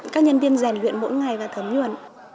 các nhân viên giành luyện mỗi ngày và thấm nhuận